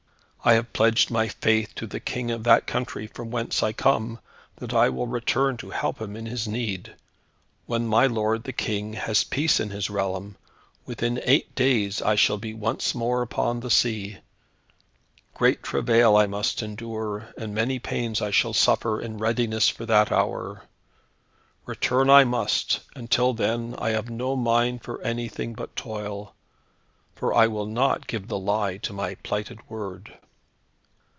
I have pledged my faith to the King of that country, from whence I come, that I will return to help him in his need. When my lord the King has peace in his realm, within eight days I shall be once more upon the sea. Great travail I must endure, and many pains I shall suffer, in readiness for that hour. Return I must, and till then I have no mind for anything but toil; for I will not give the lie to my plighted word."